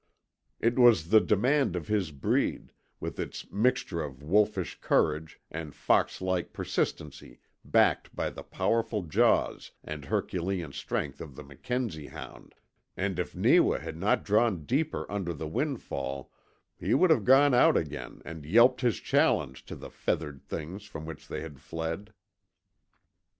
It was the demand of his breed, with its mixture of wolfish courage and fox like persistency backed by the powerful jaws and Herculean strength of the Mackenzie hound, and if Neewa had not drawn deeper under the windfall he would have gone out again and yelped his challenge to the feathered things from which they had fled.